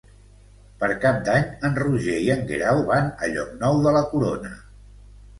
Per Cap d'Any en Roger i en Guerau van a Llocnou de la Corona.